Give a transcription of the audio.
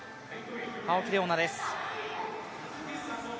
青木玲緒樹です